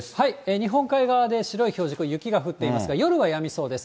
日本海側で白い表示、雪が降っていますが、夜はやみそうです。